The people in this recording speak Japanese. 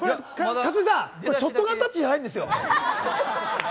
勝己さん、これショットガンタッチじゃないんですよ。